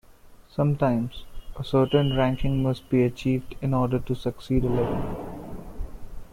Sometimes, a certain ranking must be achieved in order to succeed a level.